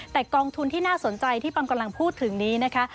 แต่กองทุนที่น่าสนใจที่ปัมกำลังพูดถึงนี้นะคะ